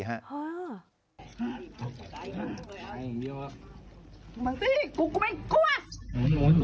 บางสิกูไม่กลัว